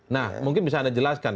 nah mungkin bisa anda jelaskan